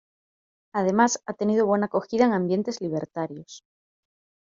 Además ha tenido buena acogida en ambientes libertarios.